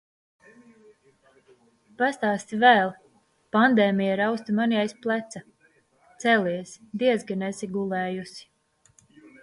"Pastāsti vēl!" pandēmija rausta mani aiz pleca. Celies, diezgan esi gulējusi.